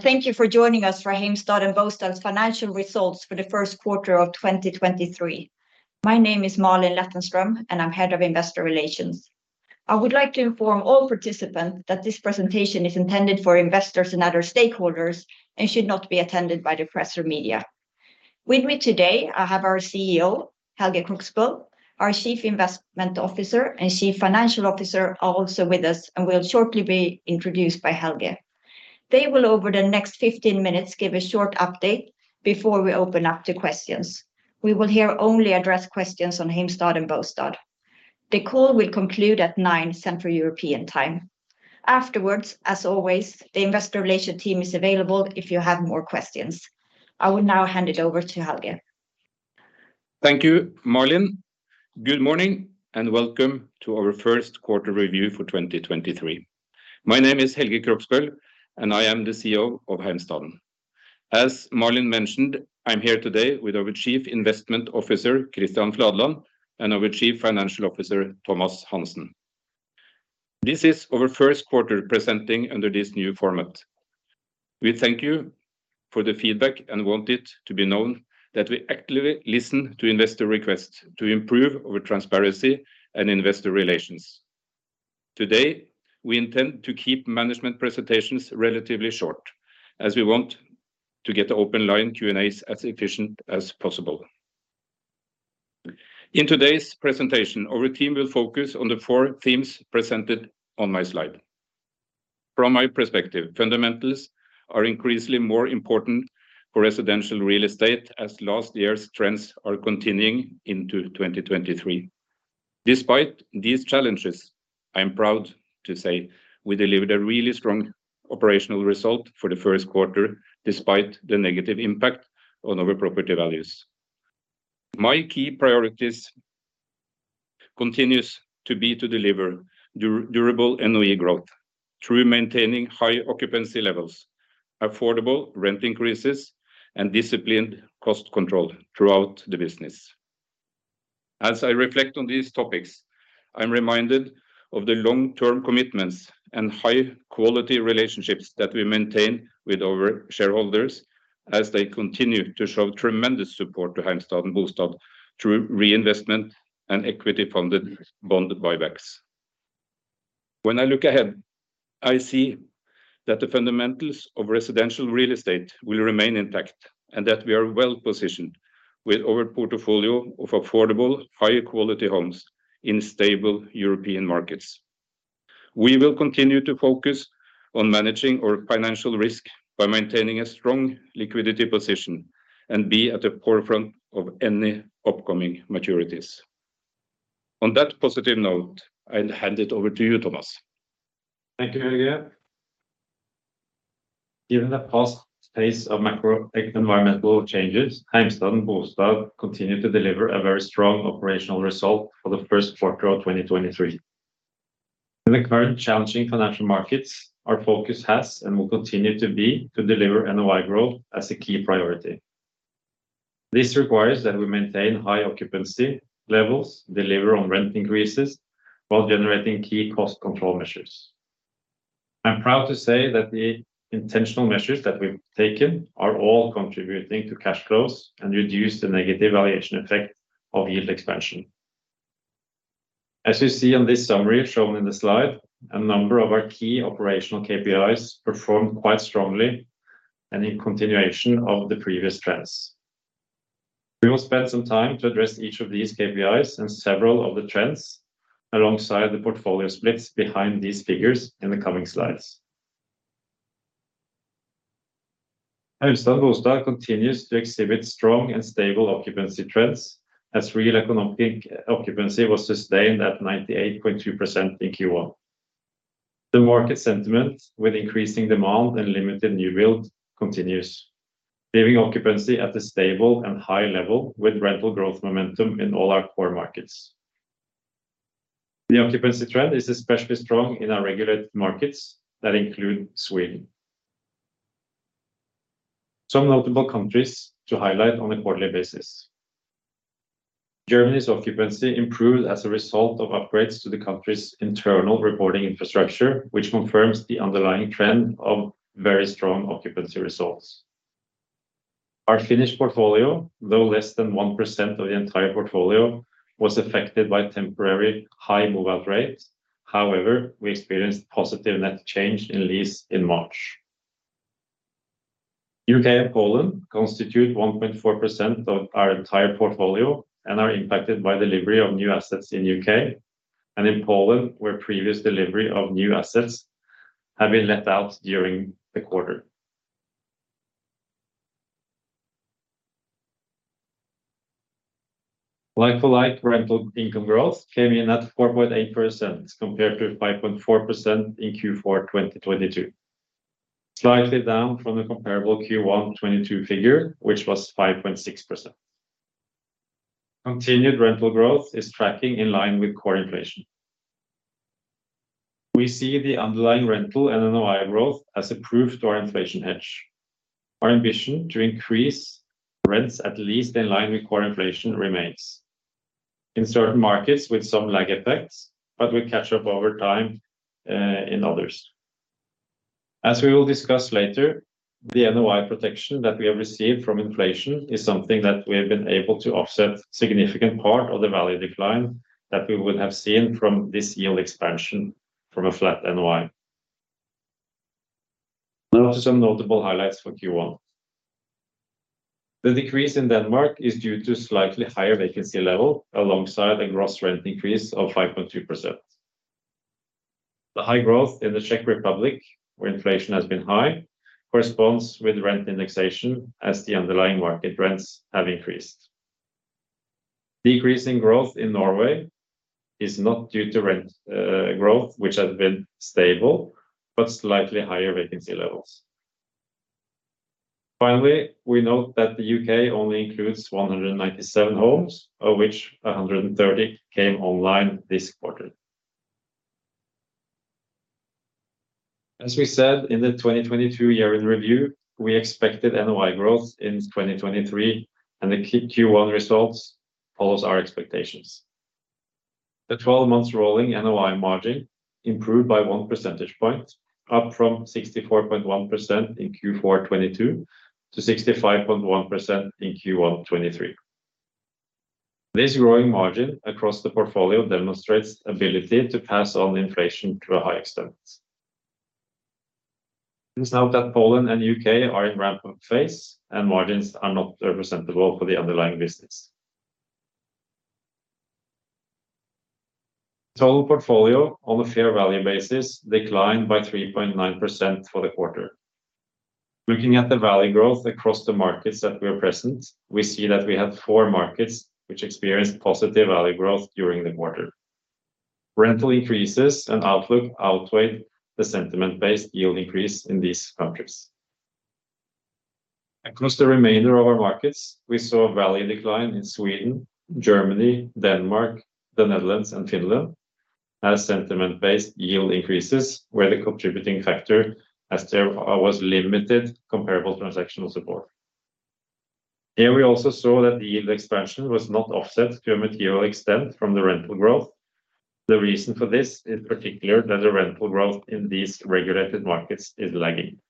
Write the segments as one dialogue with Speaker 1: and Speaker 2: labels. Speaker 1: Thank you for joining us for Heimstaden Bostad's financial results for the first quarter of 2023. My name is Malin Lethenström, and I'm Head of Investor Relations. I would like to inform all participants that this presentation is intended for investors and other stakeholders and should not be attended by the press or media. With me today, I have our CEO, Helge Krogsbøl, our Chief Investment Officer and Chief Financial Officer are also with us and will shortly be introduced by Helge. They will over the next 15 minutes, give a short update before we open up to questions. We will hear only address questions on Heimstaden Bostad. The call will conclude at 9:00AM, Central European time. Afterwards, as always, the investor relations team is available if you have more questions. I will now hand it over to Helge.
Speaker 2: Thank you, Malin. Good morning and welcome to our first quarter review for 2023. My name is Helge Krogsbøl, and I am the CEO of Heimstaden. As Malin mentioned, I'm here today with our chief investment officer, Christian Fladeland, and our chief financial officer, Thomas Hansen. This is our first quarter presenting under this new format. We thank you for the feedback and want it to be known that we actively listen to investor requests to improve our transparency and investor relations. Today, we intend to keep management presentations relatively short as we want to get the open line Q&A as efficient as possible. In today's presentation, our team will focus on the four themes presented on my slide. From my perspective, fundamentals are increasingly more important for residential real estate as last year's trends are continuing into 2023. Despite these challenges, I am proud to say we delivered a really strong operational result for the first quarter, despite the negative impact on our property values. My key priorities continues to be to deliver durable NOI growth through maintaining high occupancy levels, affordable rent increases, and disciplined cost control throughout the business. As I reflect on these topics, I'm reminded of the long-term commitments and high quality relationships that we maintain with our shareholders as they continue to show tremendous support to Heimstaden Bostad through reinvestment and equity funded bond buybacks. When I look ahead, I see that the fundamentals of residential real estate will remain intact, and that we are well-positioned with our portfolio of affordable, high-quality homes in stable European markets. We will continue to focus on managing our financial risk by maintaining a strong liquidity position and be at the forefront of any upcoming maturities. On that positive note, I'll hand it over to you, Thomas.
Speaker 3: Thank you, Helge. Given the past pace of macro environmental changes, Heimstaden Bostad continue to deliver a very strong operational result for the first quarter of 2023. In the current challenging financial markets, our focus has and will continue to be to deliver NOI growth as a key priority. This requires that we maintain high occupancy levels, deliver on rent increases while generating key cost control measures. I'm proud to say that the intentional measures that we've taken are all contributing to cash flows and reduce the negative valuation effect of yield expansion. As you see on this summary shown in the slide, a number of our key operational KPIs performed quite strongly and in continuation of the previous trends. We will spend some time to address each of these KPIs and several of the trends alongside the portfolio splits behind these figures in the coming slides. Heimstaden Bostad continues to exhibit strong and stable occupancy trends as real economic occupancy was sustained at 98.2% in first quarter. The market sentiment with increasing demand and limited new build continues, leaving occupancy at a stable and high level with rental growth momentum in all our core markets. The occupancy trend is especially strong in our regulated markets that include Sweden. Some notable countries to highlight on a quarterly basis. Germany's occupancy improved as a result of upgrades to the country's internal reporting infrastructure, which confirms the underlying trend of very strong occupancy results. Our Finnish portfolio, though less than 1% of the entire portfolio, was affected by temporary high move-out rates. However, we experienced positive net change in lease in March. UK and Poland constitute 1.4% of our entire portfolio and are impacted by delivery of new assets in UK. In Poland, where previous delivery of new assets have been let out during the quarter. Like-for-like rental income growth came in at 4.8% compared to 5.4% in fourth quarter 2022. Slightly down from the comparable first quarter 2022 figure, which was 5.6%. Continued rental growth is tracking in line with core inflation. We see the underlying rental and NOI growth as a proof to our inflation hedge. Our ambition to increase rents at least in line with core inflation remains. In certain markets with some lag effects, we catch up over time in others. As we will discuss later, the NOI protection that we have received from inflation is something that we have been able to offset significant part of the value decline that we would have seen from this yield expansion from a flat NOI. Now to some notable highlights for first quarter. The decrease in Denmark is due to slightly higher vacancy level alongside a gross rent increase of 5.2%. The high growth in the Czech Republic, where inflation has been high, corresponds with rent indexation as the underlying market rents have increased. Decrease in growth in Norway is not due to rent growth, which has been stable but slightly higher vacancy levels. Finally, we note that the UK only includes 197 homes, of which 130 came online this quarter. As we said in the 2022 year in review, we expected NOI growth in 2023, and the first quarter results follows our expectations. The 12 months rolling NOI margin improved by one percentage point, up from 64.1% in fourth quarter 2022 to 65.1% in first quarter 2023. This growing margin across the portfolio demonstrates ability to pass on inflation to a high extent. Please note that Poland and UK are in ramp-up phase, and margins are not representable for the underlying business. Total portfolio on a fair value basis declined by 3.9% for the quarter. Looking at the value growth across the markets that we are present, we see that we have four markets which experienced positive value growth during the quarter. Rental increases and outlook outweighed the sentiment-based yield increase in these countries. Across the remainder of our markets, we saw a value decline in Sweden, Germany, Denmark, the Netherlands, and Finland as sentiment-based yield increases were the contributing factor as there was limited comparable transactional support. Here we also saw that the yield expansion was not offset to a material extent from the rental growth. The reason for this in particular that the rental growth in these regulated markets is lagging.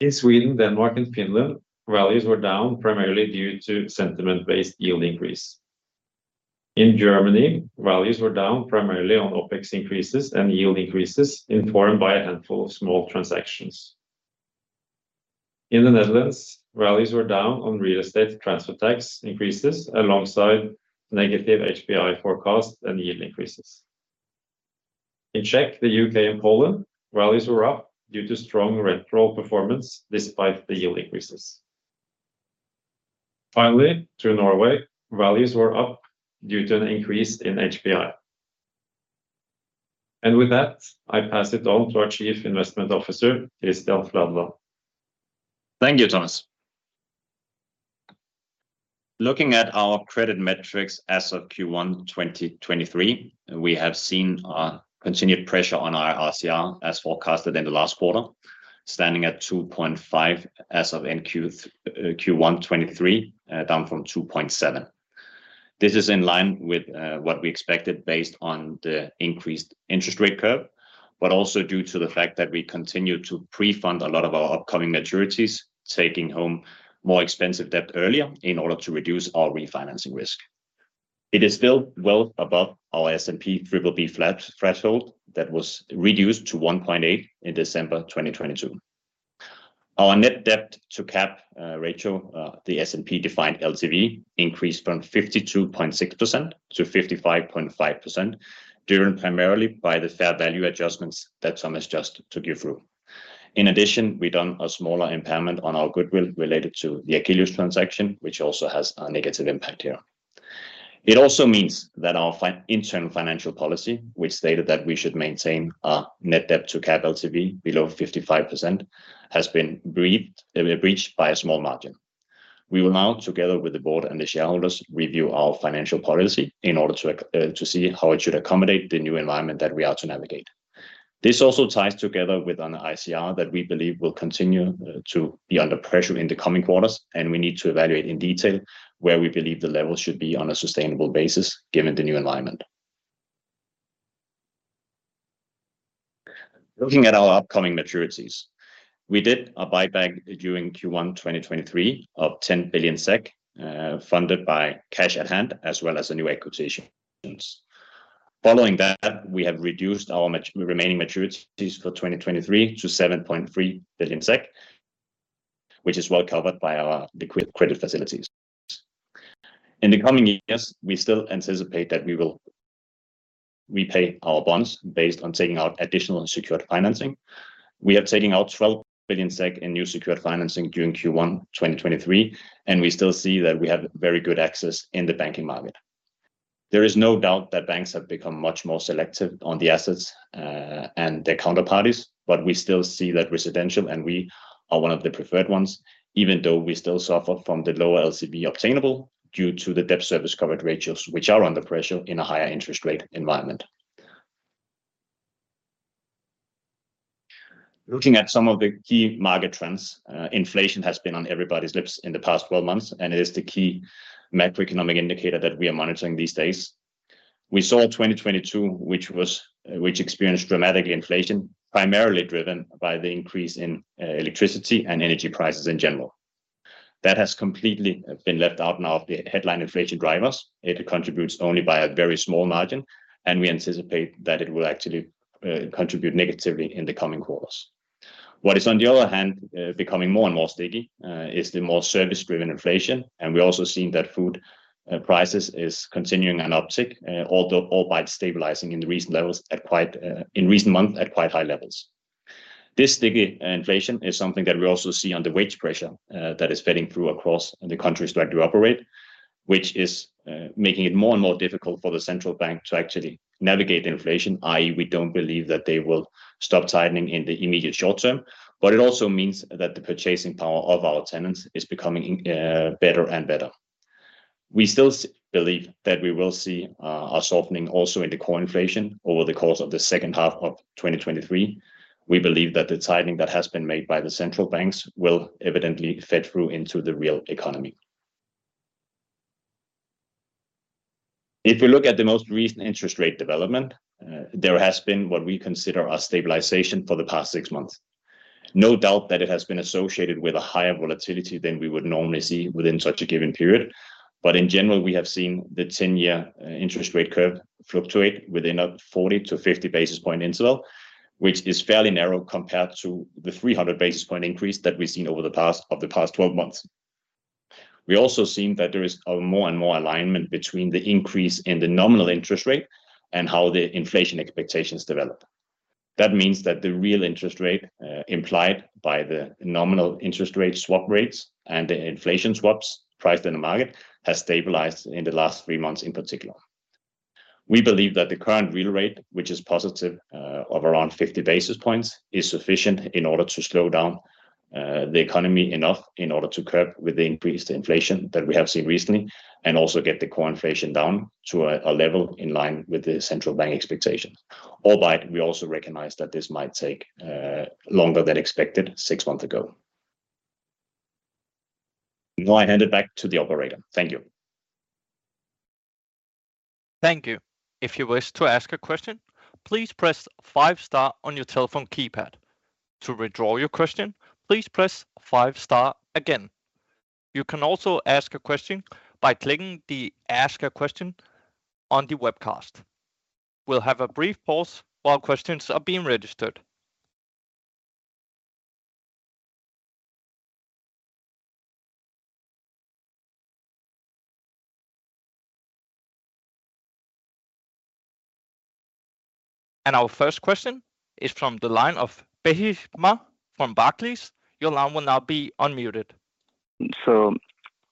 Speaker 3: In Sweden, Denmark, and Finland, values were down primarily due to sentiment-based yield increase. In Germany, values were down primarily on OPEX increases and yield increases informed by a handful of small transactions. In the Netherlands, values were down on real estate transfer tax increases alongside negative HPI forecast and yield increases. In Czech, the UK, and Poland, values were up due to strong rental performance despite the yield increases. Finally, to Norway, values were up due to an increase in HPI. With that, I pass it on to our Chief Investment Officer, Christian Fladeland.
Speaker 4: Thank you, Thomas. Looking at our credit metrics as of first quarter 2023, we have seen a continued pressure on our ICR as forecasted in the last quarter, standing at 2.5 as of end first quarter 2023, down from 2.7. This is in line with what we expected based on the increased interest rate curve, but also due to the fact that we continue to pre-fund a lot of our upcoming maturities, taking home more expensive debt earlier in order to reduce our refinancing risk. It is still well above our S&P BBB- threshold that was reduced to 1.8 in December 2022. Our net debt to cap ratio, the S&P defined LTV increased from 52.6% to 55.5%, driven primarily by the fair value adjustments that Thomas just took you through. In addition, we done a smaller impairment on our goodwill related to the Akelius transaction, which also has a negative impact here. It also means that our internal financial policy, which stated that we should maintain our net debt to cap LTV below 55%, has been breached by a small margin. We will now, together with the board and the shareholders, review our financial policy in order to see how it should accommodate the new environment that we are to navigate. This also ties together with an ICR that we believe will continue to be under pressure in the coming quarters. We need to evaluate in detail where we believe the level should be on a sustainable basis given the new environment. Looking at our upcoming maturities, we did a buyback during first quarter 2023 of 10 billion SEK, funded by cash at hand as well as the new equity issuance. Following that, we have reduced our remaining maturities for 2023 to 7.3 billion SEK, which is well covered by our credit facilities. In the coming years, we still anticipate that we will repay our bonds based on taking out additional secured financing. We are taking out 12 billion SEK in new secured financing during first quarter 2023. We still see that we have very good access in the banking market. There is no doubt that banks have become much more selective on the assets and the counterparties. We still see that residential and we are one of the preferred ones, even though we still suffer from the lower LTV obtainable due to the debt service coverage ratios which are under pressure in a higher interest rate environment. Looking at some of the key market trends, inflation has been on everybody's lips in the past 12 months. It is the key macroeconomic indicator that we are monitoring these days. We saw 2022, which experienced dramatic inflation, primarily driven by the increase in electricity and energy prices in general. That has completely been left out now of the headline inflation drivers. It contributes only by a very small margin, and we anticipate that it will actually contribute negatively in the coming quarters. What is on the other hand, becoming more and more sticky, is the more service-driven inflation, and we're also seeing that food prices is continuing an uptick, although all while stabilizing in the recent levels at quite in recent months at quite high levels. This sticky inflation is something that we also see on the wage pressure, that is feeding through across the countries that we operate, which is making it more and more difficult for the central bank to actually navigate the inflation, i.e., we don't believe that they will stop tightening in the immediate short term. It also means that the purchasing power of our tenants is becoming better and better. We still believe that we will see a softening also in the core inflation over the course of the second half of 2023. We believe that the tightening that has been made by the central banks will evidently fed through into the real economy. If you look at the most recent interest rate development, there has been what we consider a stabilization for the past six months. No doubt that it has been associated with a higher volatility than we would normally see within such a given period. In general, we have seen the 10-year interest rate curve fluctuate within a 40 to 50 basis point interval, which is fairly narrow compared to the 300-basis point increase that we've seen over the past 12 months. We also seen that there is a more and more alignment between the increase in the nominal interest rate and how the inflation expectations develop. That means that the real interest rate implied by the nominal interest rate swap rates and the inflation swaps priced in the market has stabilized in the last three months in particular. We believe that the current real rate, which is positive, of around 50 basis points, is sufficient in order to slow down the economy enough in order to curb with the increased inflation that we have seen recently and also get the core inflation down to a level in line with the central bank expectations. Albeit we also recognize that this might take longer than expected six months ago. Now I hand it back to the operator. Thank you.
Speaker 5: Thank you. If you wish to ask a question, please press five star on your telephone keypad. To withdraw your question, please press five star again. You can also ask a question by clicking the Ask a Question on the webcast. We'll have a brief pause while questions are being registered. Our first question is from the line of Behizhmak from Barclays. Your line will now be unmuted.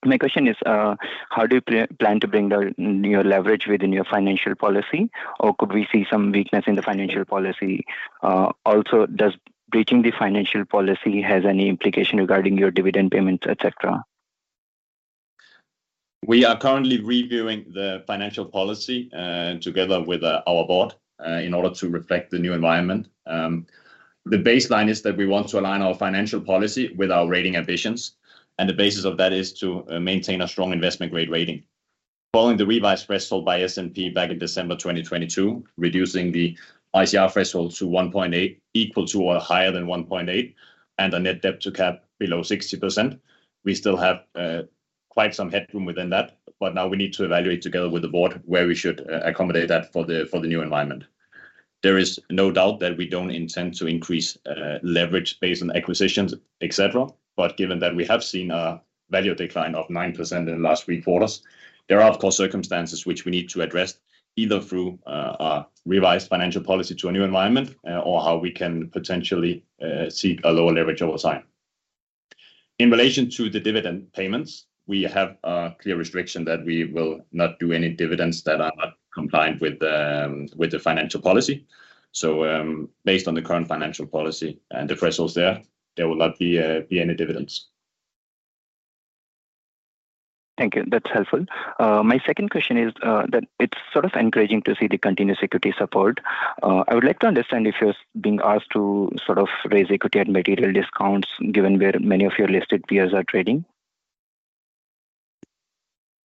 Speaker 6: My question is, how do you plan to bring down your leverage within your financial policy, or could we see some weakness in the financial policy? Also, does breaching the financial policy has any implication regarding your dividend payments, et cetera?
Speaker 4: We are currently reviewing the financial policy, together with our board, in order to reflect the new environment. The baseline is that we want to align our financial policy with our rating ambitions. The basis of that is to maintain a strong investment grade rating. Following the revised threshold by S&P back in December 2022, reducing the ICR threshold to 1.8, equal to or higher than 1.8, and a net debt to cap below 60%. We still have quite some headroom within that. Now we need to evaluate together with the board where we should accommodate that for the new environment. There is no doubt that we don't intend to increase leverage based on acquisitions, et cetera. Given that we have seen a value decline of 9% in the last three quarters, there are of course circumstances which we need to address either through a revised financial policy to a new environment or how we can potentially seek a lower leverage over time. In relation to the dividend payments, we have a clear restriction that we will not do any dividends that are not compliant with the financial policy. Based on the current financial policy and the thresholds there will not be any dividends.
Speaker 6: Thank you. That's helpful. My second question is, that it's sort of encouraging to see the continuous equity support. I would like to understand if you're being asked to sort of raise equity at material discounts given where many of your listed peers are trading.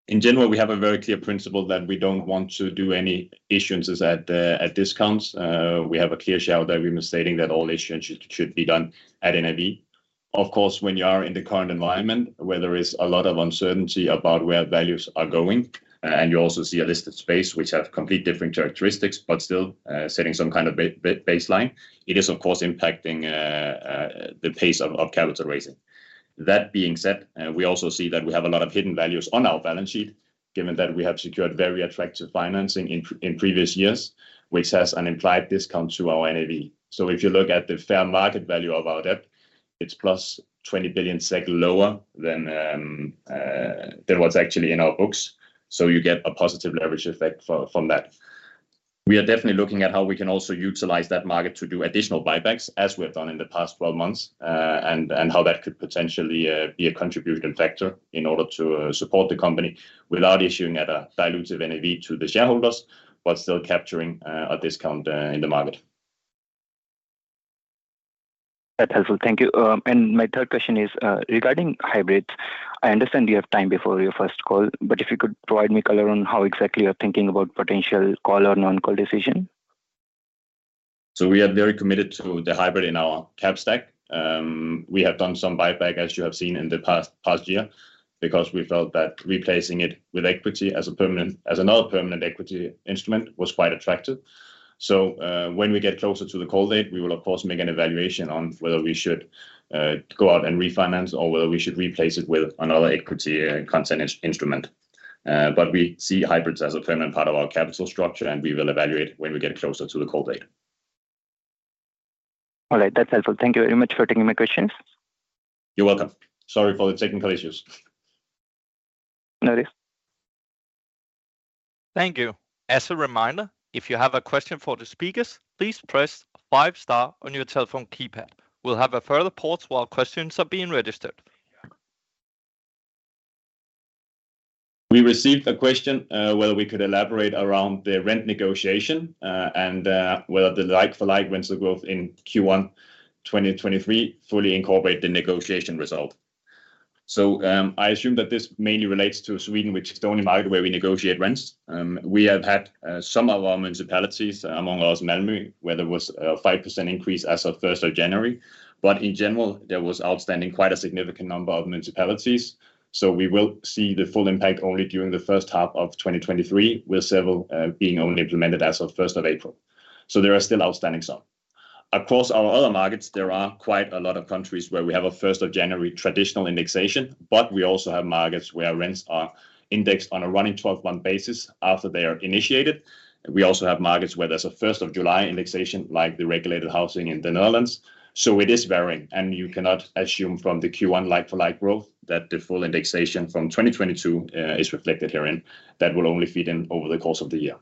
Speaker 4: In general, we have a very clear principle that we don't want to do any issuances at discounts. We have a clear shareholder agreement stating that all issuance should be done at NAV. Of course, when you are in the current environment where there is a lot of uncertainty about where values are going, and you also see a listed space which have complete different characteristics but still, setting some kind of baseline, it is of course impacting the pace of capital raising. That being said, we also see that we have a lot of hidden values on our balance sheet given that we have secured very attractive financing in previous years, which has an implied discount to our NAV. If you look at the fair market value of our debt, it's plus 20 billion SEK lower than what's actually in our books, you get a positive leverage effect from that. We are definitely looking at how we can also utilize that market to do additional buybacks as we have done in the past 12 months, and how that could potentially be a contributing factor in order to support the company without issuing at a dilutive NAV to the shareholders, but still capturing a discount in the market.
Speaker 6: That's helpful. Thank you. My third question is regarding hybrids. I understand you have time before your first call, but if you could provide me color on how exactly you're thinking about potential call or non-call decision.
Speaker 4: We are very committed to the hybrid in our capital stack. We have done some buyback, as you have seen in the past year, because we felt that replacing it with equity as another permanent equity instrument was quite attractive. When we get closer to the call date, we will of course, make an evaluation on whether we should go out and refinance or whether we should replace it with another equity content instrument. We see hybrids as a permanent part of our capital structure, and we will evaluate when we get closer to the call date.
Speaker 6: All right. That's helpful. Thank you very much for taking my questions.
Speaker 4: You're welcome. Sorry for the technical issues.
Speaker 6: No worries.
Speaker 5: Thank you. As a reminder, if you have a question for the speakers, please press five star on your telephone keypad. We'll have a further pause while questions are being registered.
Speaker 4: We received a question whether we could elaborate around the rent negotiation, and whether the like-for-like rental growth in first quarter 2023 fully incorporate the negotiation result. I assume that this mainly relates to Sweden, which is the only market where we negotiate rents. We have had some of our municipalities, among others Malmö, where there was a 5% increase as of 1 January 2023. In general, there was outstanding quite a significant number of municipalities. We will see the full impact only during the first half of 2023, with several being only implemented as of first of April. There are still outstanding some. Across our other markets, there are quite a lot of countries where we have a first of January traditional indexation, but we also have markets where rents are indexed on a running 12-month basis after they are initiated. We also have markets where there's a 1 July 2022 indexation, like the regulated housing in the Netherlands. It is varying, and you cannot assume from the first quarter like-for-like growth that the full indexation from 2022 is reflected herein. That will only feed in over the course of the year.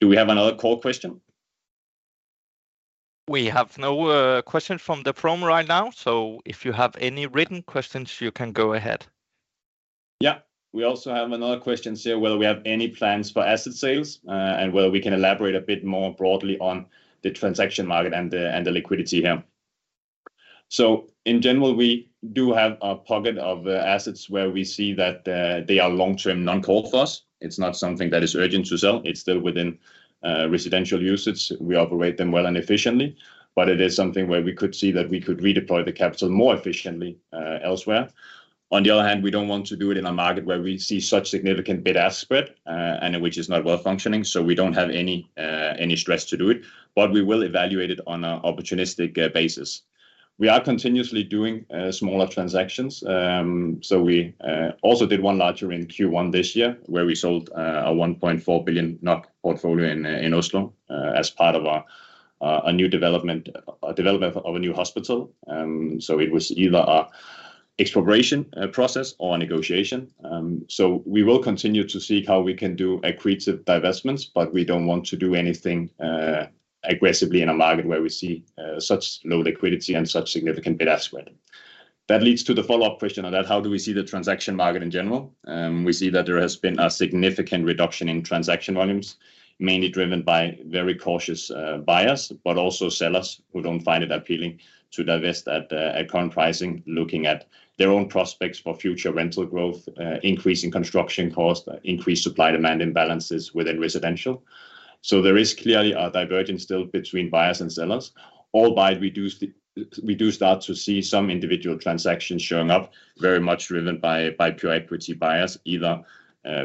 Speaker 4: Do we have another call question?
Speaker 5: We have no question from the phone right now, so if you have any written questions, you can go ahead.
Speaker 4: Yeah. We also have another question here, whether we have any plans for asset sales, and whether we can elaborate a bit more broadly on the transaction market and the liquidity here. In general, we do have a pocket of assets where we see that they are long-term non-core for us. It's not something that is urgent to sell. It's still within residential usage. We operate them well and efficiently. It is something where we could see that we could redeploy the capital more efficiently elsewhere. On the other hand, we don't want to do it in a market where we see such significant bid-ask spread, and which is not well functioning. We don't have any stress to do it, but we will evaluate it on an opportunistic basis. We are continuously doing smaller transactions. We also did one larger in first quarter this year where we sold a 1.4 billion NOK portfolio in Oslo as part of a new development, a development of a new hospital. It was either a exploration process or a negotiation. We will continue to seek how we can do accretive divestments, but we don't want to do anything aggressively in a market where we see such low liquidity and such significant bid-ask spread. That leads to the follow-up question on that. How do we see the transaction market in general? We see that there has been a significant reduction in transaction volumes, mainly driven by very cautious buyers, but also sellers who don't find it appealing to divest at current pricing, looking at their own prospects for future rental growth, increasing construction cost, increased supply demand imbalances within residential. There is clearly a divergence still between buyers and sellers. Albeit we do start to see some individual transactions showing up, very much driven by pure equity buyers, either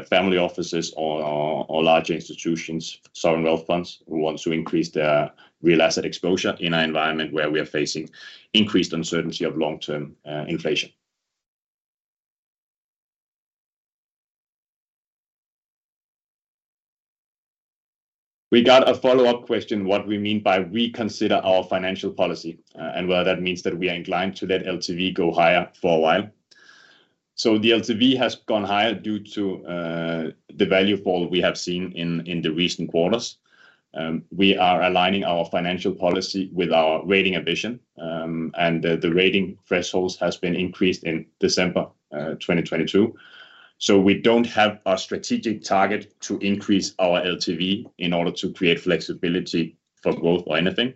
Speaker 4: family offices or larger institutions, sovereign wealth funds who want to increase their real asset exposure in an environment where we are facing increased uncertainty of long-term inflation. We got a follow-up question, what we mean by reconsider our financial policy, and whether that means that we are inclined to let LTV go higher for a while. The LTV has gone higher due to the value fall we have seen in the recent quarters. We are aligning our financial policy with our rating ambition, and the rating thresholds has been increased in December 2022. We don't have a strategic target to increase our LTV in order to create flexibility for growth or anything.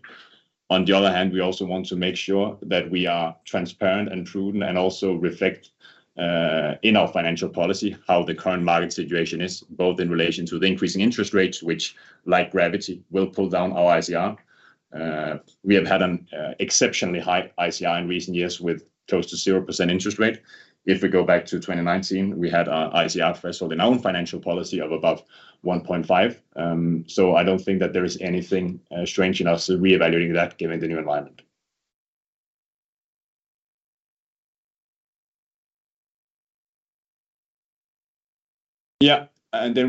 Speaker 4: On the other hand, we also want to make sure that we are transparent and prudent and also reflect in our financial policy how the current market situation is, both in relation to the increasing interest rates, which like gravity, will pull down our ICR. We have had an exceptionally high ICR in recent years with close to 0% interest rate. If we go back to 2019, we had our ICR threshold in our own financial policy of above 1.5. I don't think that there is anything strange in us reevaluating that given the new environment.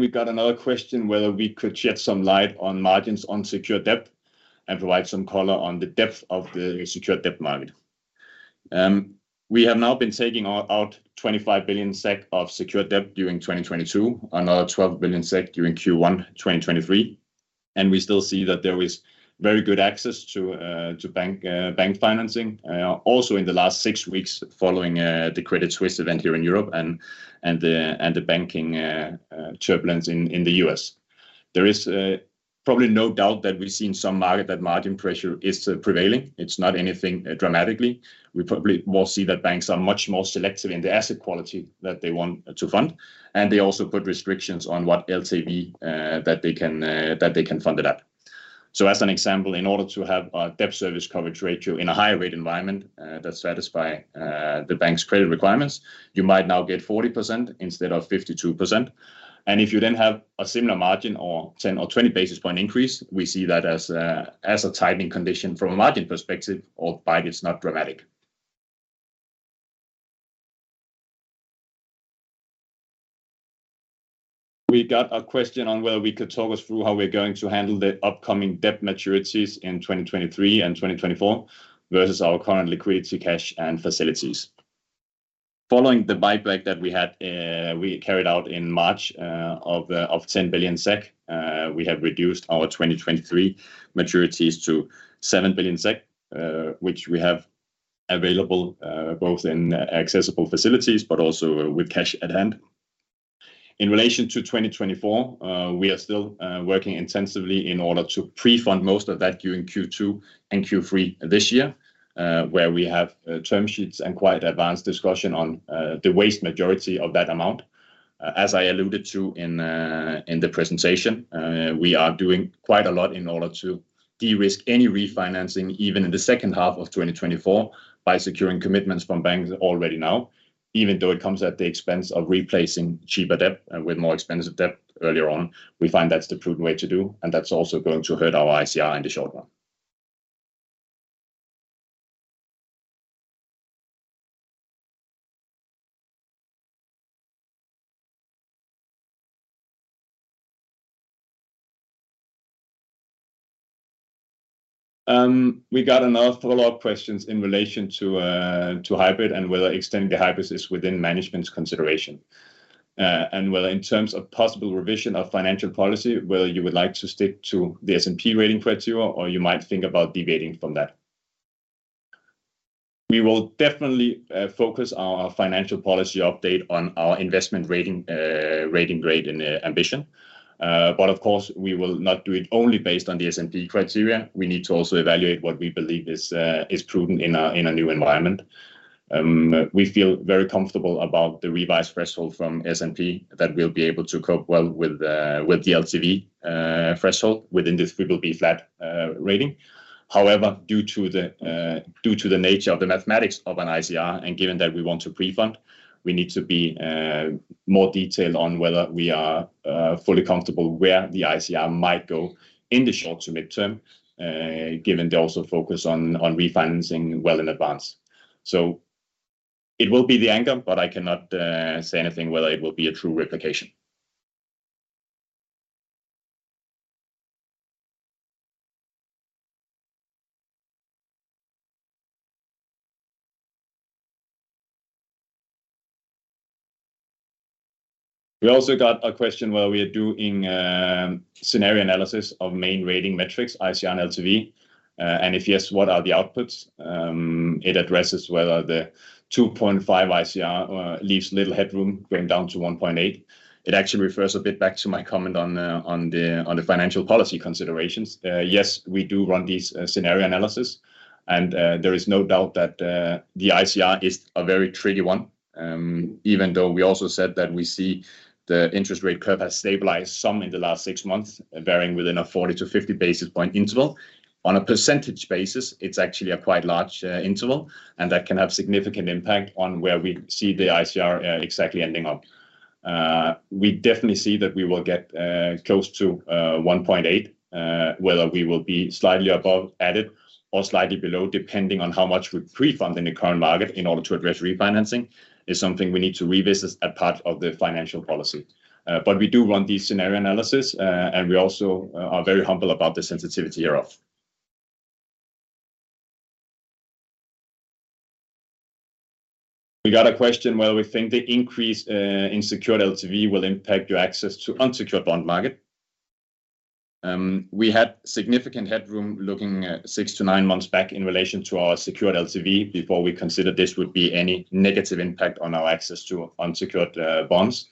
Speaker 4: We got another question, whether we could shed some light on margins on secure debt and provide some color on the depth of the secure debt market. We have now been taking out 25 billion SEK of secure debt during 2022, another 12 billion SEK during first quarter 2023. We still see that there is very good access to bank financing. Also in the last six weeks following the Credit Suisse event here in Europe and the banking turbulence in the US. There is probably no doubt that we've seen some market that margin pressure is prevailing. It's not anything dramatically. We probably will see that banks are much more selective in the asset quality that they want to fund, and they also put restrictions on what LTV that they can that they can fund it at. As an example, in order to have a debt service coverage ratio in a higher rate environment that satisfy the bank's credit requirements, you might now get 40% instead of 52%. If you then have a similar margin or 10 or 20 basis point increase, we see that as a tightening condition from a margin perspective, albeit it's not dramatic. We got a question on whether we could talk us through how we're going to handle the upcoming debt maturities in 2023 and 2024 versus our current liquidity cash and facilities. Following the buyback that we had, we carried out in March, of 10 billion SEK, we have reduced our 2023 maturities to 7 billion SEK, which we have available, both in accessible facilities but also with cash at hand. In relation to 2024, we are still working intensively in order to pre-fund most of that during second quarter and third quarter this year, where we have term sheets and quite advanced discussion on the vast majority of that amount. As I alluded to in the presentation, we are doing quite a lot in order to de-risk any refinancing even in the second half of 2024 by securing commitments from banks already now, even though it comes at the expense of replacing cheaper debt with more expensive debt earlier on. We find that's the prudent way to do, and that's also going to hurt our ICR in the short run. We got another follow-up questions in relation to hybrid and whether extending the hybrids is within management's consideration. Whether in terms of possible revision of financial policy, whether you would like to stick to the S&P rating criteria or you might think about deviating from that. We will definitely focus our financial policy update on our investment rating grade and ambition. Of course, we will not do it only based on the S&P criteria. We need to also evaluate what we believe is prudent in a, in a new environment. We feel very comfortable about the revised threshold from S&P that we'll be able to cope well with the LTV threshold within this BBB flat rating. Due to the nature of the mathematics of an ICR, and given that we want to pre-fund, we need to be more detailed on whether we are fully comfortable where the ICR might go in the short to midterm, given they also focus on refinancing well in advance. It will be the anchor, but I cannot say anything whether it will be a true replication. We also got a question whether we are doing scenario analysis of main rating metrics, ICR and LTV. If yes, what are the outputs? It addresses whether the 2.5 ICR leaves little headroom going down to 1.8. It actually refers a bit back to my comment on the financial policy considerations. Yes, we do run these scenario analysis, and there is no doubt that the ICR is a very tricky one. Even though we also said that we see the interest rate curve has stabilized some in the last six months, varying within a 40 to 50 basis point interval. On a percentage basis, it's actually a quite large interval, and that can have significant impact on where we see the ICR exactly ending up. We definitely see that we will get close to 1.8, whether we will be slightly above at it or slightly below, depending on how much we pre-fund in the current market in order to address refinancing, is something we need to revisit as part of the financial policy. We do run these scenario analysis, and we also are very humble about the sensitivity hereof. We got a question whether we think the increase in secured LTV will impact your access to unsecured bond market. We had significant headroom looking at six to nine months back in relation to our secured LTV before we considered this would be any negative impact on our access to unsecured bonds.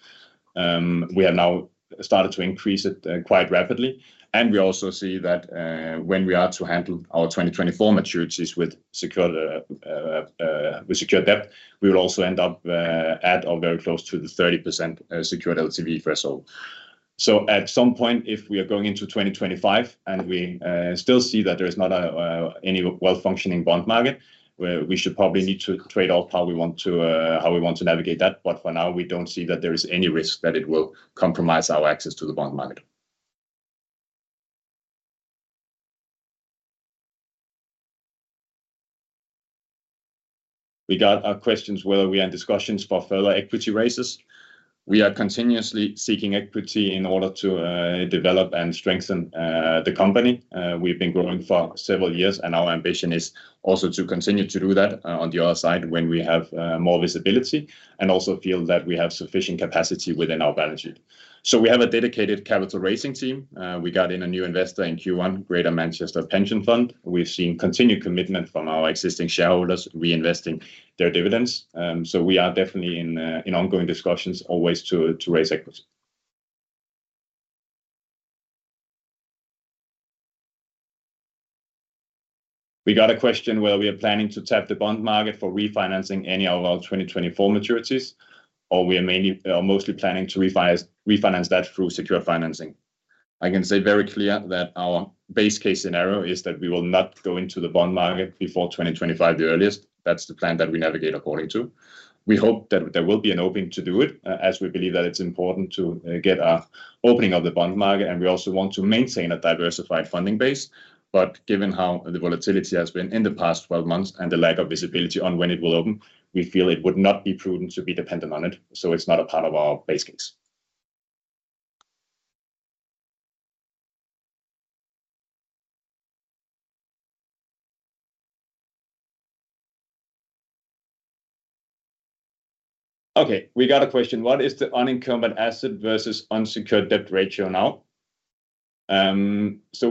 Speaker 4: We have now started to increase it quite rapidly, and we also see that when we are to handle our 2024 maturities with secured debt, we will also end up at or very close to the 30% secured LTV threshold. At some point, if we are going into 2025 and we still see that there is not any well-functioning bond market, we should probably need to trade off how we want to navigate that. For now, we don't see that there is any risk that it will compromise our access to the bond market. We got a questions whether we are in discussions for further equity raises. We are continuously seeking equity in order to develop and strengthen the company. We've been growing for several years, and our ambition is also to continue to do that on the other side when we have more visibility and also feel that we have sufficient capacity within our balance sheet. We have a dedicated capital raising team. We got in a new investor in first quarter, Greater Manchester Pension Fund. We've seen continued commitment from our existing shareholders reinvesting their dividends. We are definitely in ongoing discussions always to raise equity. We got a question whether we are planning to tap the bond market for refinancing any of our 2024 maturities, or we are mainly or mostly planning to refinance that through secure financing. I can say very clear that our base case scenario is that we will not go into the bond market before 2025 the earliest. That's the plan that we navigate according to. We hope that there will be an opening to do it, as we believe that it's important to get a opening of the bond market, and we also want to maintain a diversified funding base. Given how the volatility has been in the past 12 months and the lack of visibility on when it will open, we feel it would not be prudent to be dependent on it, so it's not a part of our base case. We got a question: What is the unencumbered assets to unsecured debt ratio now?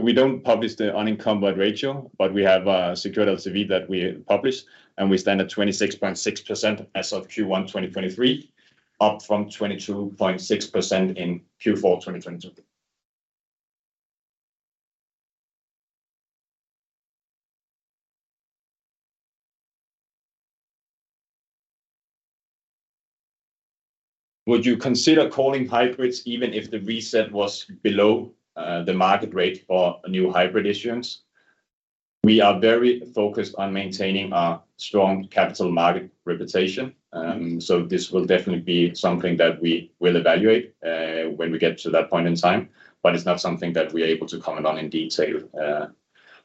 Speaker 4: We don't publish the unencumbered ratio, but we have a secured LTV that we publish, and we stand at 26.6% as of first quarter 2023, up from 22.6% in fourth quarter 2022. Would you consider calling hybrids even if the reset was below the market rate for new hybrid issuance? We are very focused on maintaining our strong capital market reputation. This will definitely be something that we will evaluate when we get to that point in time. It's not something that we're able to comment on in detail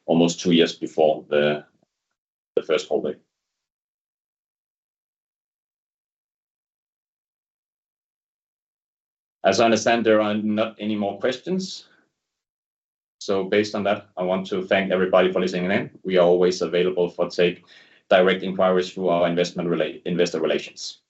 Speaker 4: almost two years before the first call date. As I understand, there are not any more questions. Based on that, I want to thank everybody for listening in. We are always available for direct inquiries through our investor relations.